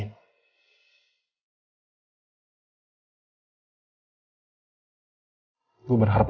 gue berharap lo bahagia ya sahab